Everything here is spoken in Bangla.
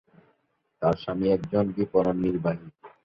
তার স্বামী একজন বিপণন নির্বাহী।